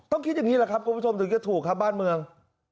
คิดอย่างนี้แหละครับคุณผู้ชมถึงจะถูกครับบ้านเมือง